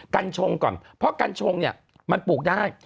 กัญชงก่อนเพราะกัญชงเนี่ยมันปลูกได้